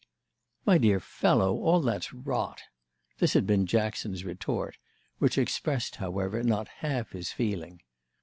"My dear fellow, all that's 'rot'!" This had been Jackson's retort, which expressed, however, not half his feeling.